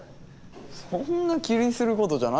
そんな気にすることじゃないだろ。